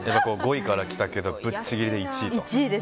５位から来たけどぶっちぎりで１位と。